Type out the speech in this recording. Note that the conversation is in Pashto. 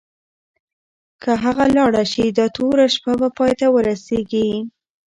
که هغه لاړه شي، دا توره شپه به پای ته ونه رسېږي.